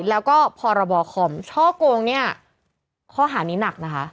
แล้วก็พรบคอมช่อกงเนี่ยข้อหานี้หนักนะคะ